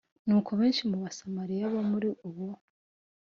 Nuko benshi mu Basamariya bo muri uwo